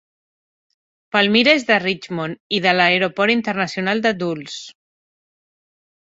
Palmyra és de Richmond i de l'aeroport internacional de Dulles.